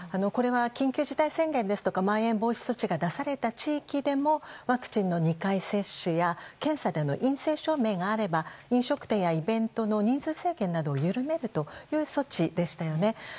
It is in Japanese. これは、緊急事態宣言ですとかまん延防止措置が出された地域でもワクチンの２回接種や検査での陰性証明があれば飲食店やイベントの人数制限などを緩めるという措置でしたよね。